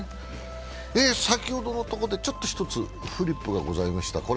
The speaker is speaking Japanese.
先ほどのところで１つフリップがございました。